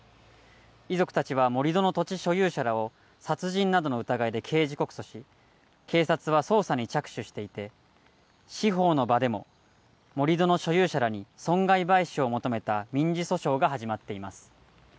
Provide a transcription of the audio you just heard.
遺族たちは盛り土の土地所有者らを殺人などの疑いで刑事告訴し警察は捜査に着手していて司法の場でも盛り土の所有者らに損害賠償を求めた民事訴訟が始まっています。